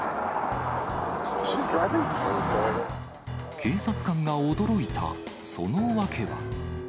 警察官が驚いたその訳は。